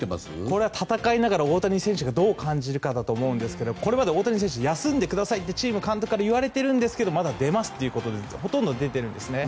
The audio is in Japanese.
これは戦いながら大谷選手がどう感じるかだと思うんですけどこれまで大谷選手は休んでくださいとチーム、監督から言われているんですがまだ出ますということでほとんど出ているんですね。